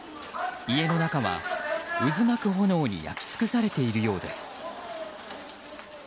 家の中は、渦巻く炎に焼き尽くされているようです。